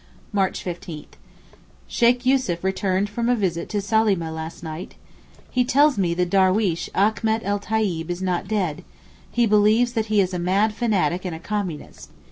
March 15.—Sheykh Yussuf returned from a visit to Salamieh last night. He tells me the darweesh Achmet et Tayib is not dead, he believes that he is a mad fanatic and a communist.